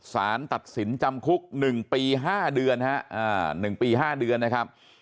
สารตัดสินจำคุก๑ปี๕เดือนฮะ๑ปี๕เดือนนะครับ